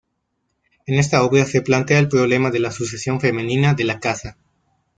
En esta obra se plantea el problema de la sucesión femenina de la Casa.